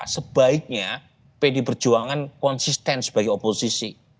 sebaiknya pd perjuangan konsisten sebagai oposisi